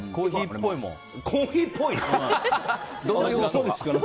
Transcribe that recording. コーヒーっぽい？